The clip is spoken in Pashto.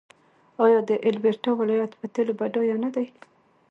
آیا د البرټا ولایت په تیلو بډایه نه دی؟